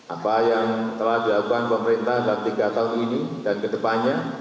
apa yang telah dilakukan pemerintah dalam tiga tahun ini dan kedepannya